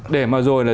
để mà rồi là